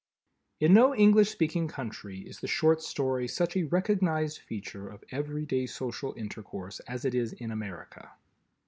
In no English speaking country is the Short Story such a recognized feature of everyday social intercourse as it is in America.